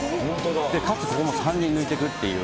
かつ、ここも３人抜いていくっていう。